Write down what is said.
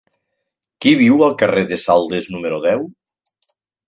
Qui viu al carrer de Saldes número deu?